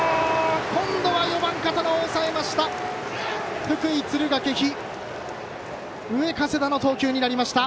今度は４番、片野を抑えました。